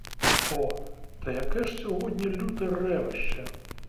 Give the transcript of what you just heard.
О, та яке ж сьогодні люте ревище!